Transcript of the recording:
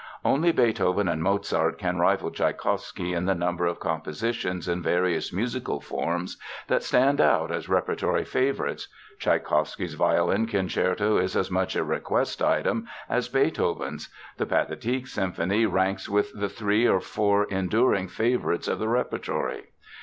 Only Beethoven and Mozart can rival Tschaikowsky in the number of compositions in various musical forms that stand out as repertory favorites. Tschaikowsky's violin concerto is as much a "request" item as Beethoven's. The Pathetic symphony ranks with the three or four enduring favorites of the repertory.